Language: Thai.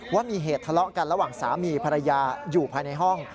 ว่ามีเหตุทะเลาะกันระหว่างสามีภรรยาอยู่ภายในห้อง